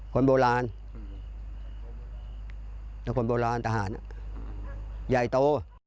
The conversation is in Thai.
คนโบราณแล้วคนโบราณทหารใหญ่โต